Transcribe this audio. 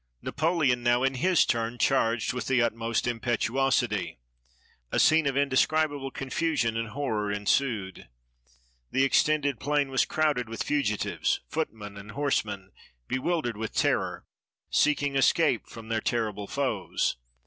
Napoleon now, in his turn, charged with the utmost impetuosity. A scene of indescribable confusion 225 EGYPT and horror ensued. The extended plain was crowded with fugitives — footmen and horsemen, bewildered with terror, seeking escape from their terrible foes.